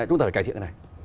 chúng ta phải cải thiện cái này